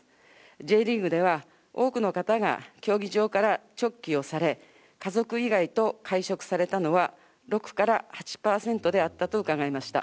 Ｊリーグでは、多くの方が競技場から直帰をされ、家族以外と会食されたのは６から８％であったと伺いました。